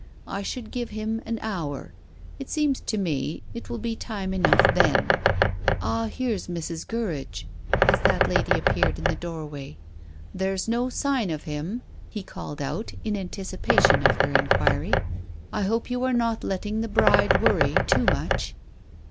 "I should give him an hour. It seems to me it will be time enough then. Ah, here's Mrs. Gurridge," as that lady appeared in the doorway. "There's no sign of him," he called out in anticipation of her inquiry. "I hope you are not letting the bride worry too much."